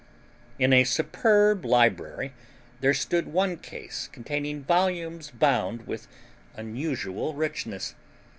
In a superb library there stood one case containing volumes bound with unusual richness.